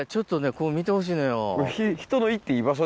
ここ見てほしいのよ。